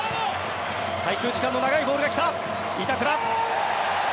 滞空時間の長いボールが来た。